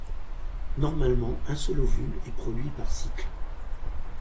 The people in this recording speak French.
Normalement, un seul ovule est produit par cycle.